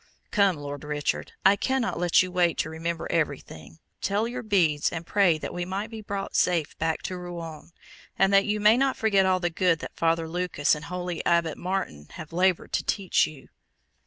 "Come, Lord Richard, I cannot let you wait to remember everything; tell your beads and pray that we may be brought safe back to Rouen; and that you may not forget all the good that Father Lucas and holy Abbot Martin have laboured to teach you."